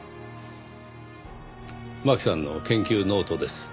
真希さんの研究ノートです。